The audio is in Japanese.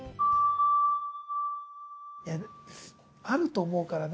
いやあると思うからな。